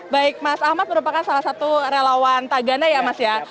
baik mas ahmad merupakan salah satu relawan tagana ya mas ya